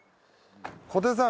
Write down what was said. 小手さん